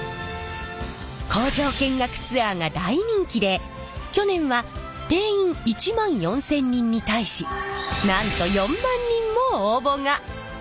工場見学ツアーが大人気で去年は定員１万４，０００人に対しなんと４万人も応募が！